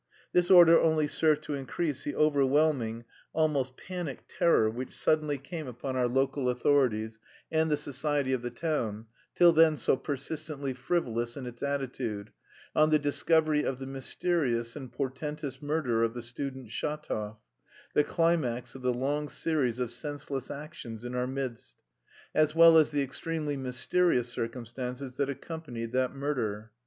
This order only served to increase the overwhelming, almost panic terror which suddenly came upon our local authorities and the society of the town, till then so persistently frivolous in its attitude, on the discovery of the mysterious and portentous murder of the student Shatov the climax of the long series of senseless actions in our midst as well as the extremely mysterious circumstances that accompanied that murder.